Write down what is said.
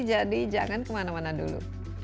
jadi jangan kemana mana dulu